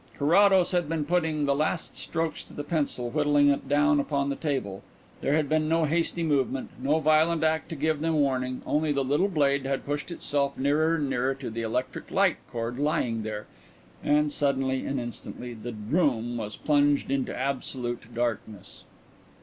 Carrados had been putting the last strokes to the pencil, whittling it down upon the table. There had been no hasty movement, no violent act to give them warning; only the little blade had pushed itself nearer and nearer to the electric light cord lying there ... and suddenly and instantly the room was plunged into absolute darkness.